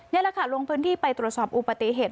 นี่แหละค่ะลงพื้นที่ไปตรวจสอบอุปติเหตุ